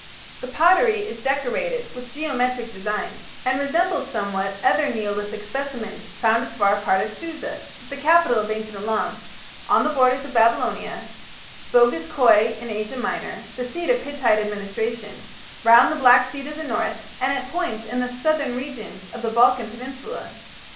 The pottery is decorated with geometric designs, and resembles somewhat other Neolithic specimens found as far apart as Susa, the capital of ancient Elam, on the borders of Babylonia, Boghaz Köi in Asia Minor, the seat of Hittite administration, round the Black Sea to the north, and at points in the southern regions of the Balkan Peninsula.